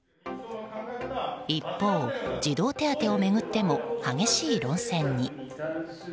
一方、児童手当を巡っても激しい論戦に。